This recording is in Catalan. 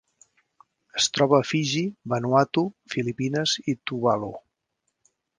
Es troba a Fiji, Vanuatu, Filipines i Tuvalu.